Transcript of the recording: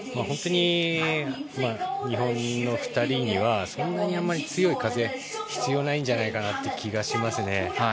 本当に日本の２人にはそんなにあまり強い風は必要ないんじゃないかなという気がしますね。